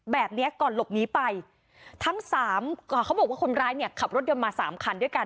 แบบนี้ก่อนหลบหนีไปทั้งสามเขาบอกว่าคนร้ายเนี่ยขับรถยนต์มาสามคันด้วยกัน